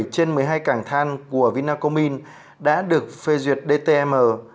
bảy trên một mươi hai cảng than của vinacomin đã được phê duyệt dtm